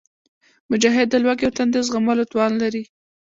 مجاهد د لوږې او تندې زغملو توان لري.